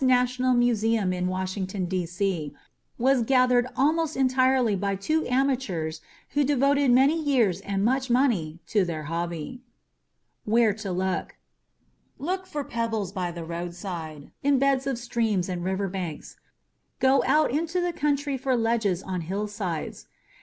National Museum in Washington, D.C., was gathered almost entirely by two amateurs who devoted many years and much money to their hobby. Where To Look Look for pebbles by the roadside, in beds of streams and riverbanks. Go out into the country for ledges on hillsides.